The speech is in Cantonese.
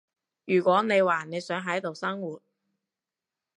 如果你話你想喺度生活